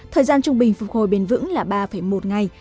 thời gian trung bình phục hồi bền vững là ba một ngày